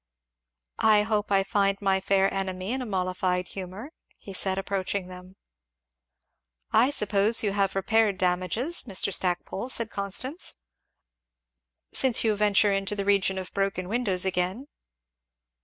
"I hope I find my fair enemy in a mollified humour," he said approaching them. "I suppose you have repaired damages, Mr. Stackpole," said Constance, "since you venture into the region of broken windows again."